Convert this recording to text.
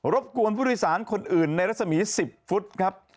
บกวนผู้โดยสารคนอื่นในรัศมี๑๐ฟุตครับ